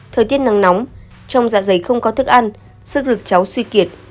thời tiết nắng nóng trong dạ dày không có thức ăn sức lực cháu suy kiệt